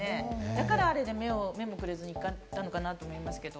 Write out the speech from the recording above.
だから目もくれずにだったのかなって思いますけど。